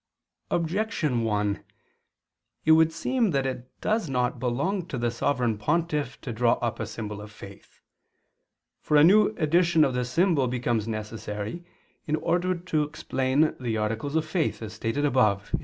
Objection 1: It would seem that it does not belong to the Sovereign Pontiff to draw up a symbol of faith. For a new edition of the symbol becomes necessary in order to explain the articles of faith, as stated above (A.